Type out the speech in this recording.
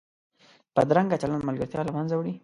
بدرنګه چلند ملګرتیا له منځه وړي